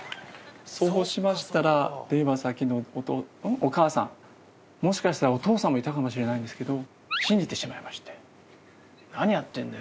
そうしましたら電話先のお母さんもしかしたらお父さんもいたかもしれないんですけど。